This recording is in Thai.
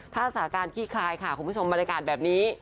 ถ้าสาการขี้คลายค่ะคุณผู้ชมบรรยากาศแบบนี้